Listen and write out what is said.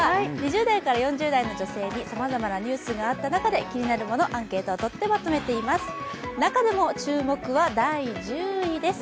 ２０代から４０代の女性に、さまざまなニュースがあった中で、気になるもの、アンケートをとってまとめています。